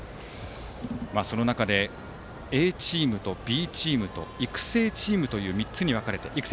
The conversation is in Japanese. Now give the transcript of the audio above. その中でＡチームとＢチームと育成チームという３つに分かれているそうです。